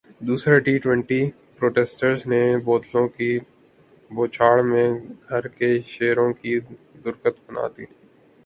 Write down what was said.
دوسرا T twenty Proteas نے بوتلوں کی بوچھاڑمیں گھر کے شیروں کی درگت بنادی